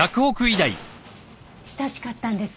親しかったんですか？